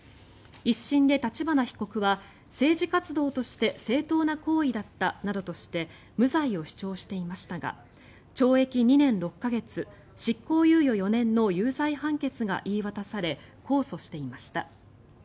１審で立花被告は政治活動として正当な行為だったなどとして無罪を主張していましたが懲役２年６か月、執行猶予４年の有罪判決が言い渡され控訴していました。